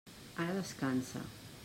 Ara descansa.